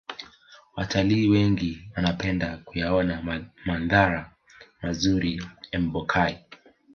Watalii wengi wanapenda kuyaona mandhari mazuri ya empokai